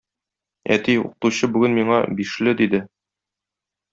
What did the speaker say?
Әти, укытучы бүген миңа: “Бишле”, – диде.